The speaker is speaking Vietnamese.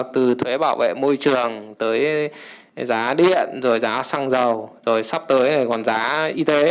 từ thuế bảo vệ môi trường tới giá điện rồi giá xăng dầu rồi sắp tới còn giá y tế